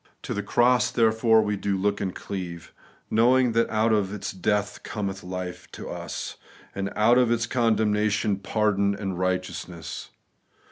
To the cross, therefore, do we look and cleave ; knowing that out of its death cometh life to us, and out of its condemnation pardon and righteousness.